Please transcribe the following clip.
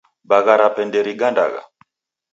Bagha rape nderigandagha.